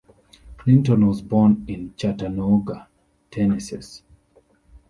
Clinton was born in Chattanooga, Tennessee.